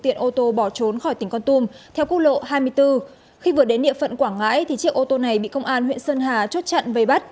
thành phố con tum tỉnh con tum để chơi